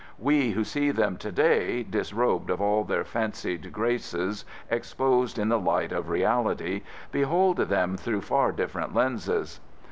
We who see them today, disrobed of all their fancied graces exposed in the light of reality, behold them through far different lenses.